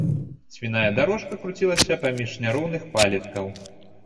Свіная дарожка круцілася паміж няроўных палеткаў.